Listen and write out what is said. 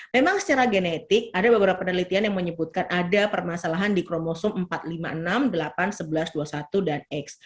memang secara genetik ada beberapa penelitian yang menyebutkan ada permasalahan di kromosom empat ribu lima ratus enam puluh delapan seribu satu ratus dua puluh satu dan x